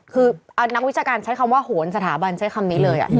คือนักวิชาการใช้คำว่าโหนสถาบันใช้คำนี้เลย